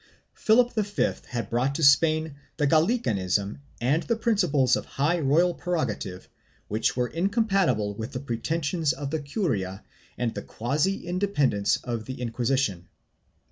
Philip V had brought to Spain the Gallicanism and the prin ciples of high royal prerogative which were incompatible with the pretensions of the curia and the quasi independence of the Inquisition.